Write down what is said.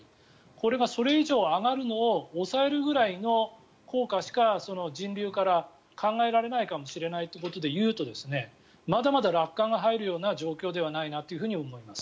これがそれ以上上がるのを抑えるぐらいの効果しか、人流から考えられかもしれないということで言うとまだまだ楽観が入るような状況ではないなと思います。